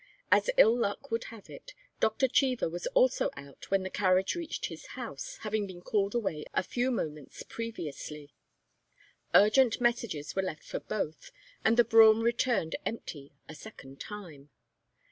As ill luck would have it, Doctor Cheever was also out when the carriage reached his house, having been called away a few moments previously. Urgent messages were left for both, and the brougham returned empty a second time.